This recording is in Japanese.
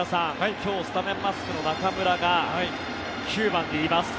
今日スタメンマスクの中村が９番にいます。